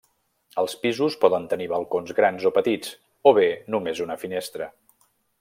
Els pisos poden tenir balcons grans o petits o bé només una finestra.